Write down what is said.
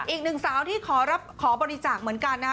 อีกหนึ่งสาวที่ขอบริจาคเหมือนกันนะฮะ